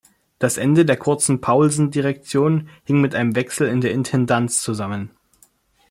Das Ende der kurzen Paulsen-Direktion hing mit einem Wechsel in der Intendanz zusammen.